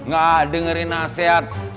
gak dengerin nasihat